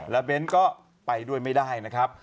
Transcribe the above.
แล้วเบ้นก็ไปด้วยไม่ได้นะครับ